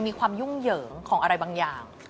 มีความยุ่งเหยิงของอะไรบางอย่าง